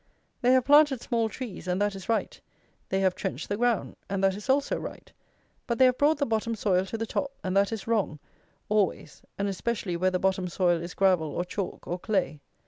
They have planted small trees, and that is right; they have trenched the ground, and that is also right; but they have brought the bottom soil to the top; and that is wrong, always; and especially where the bottom soil is gravel or chalk, or clay.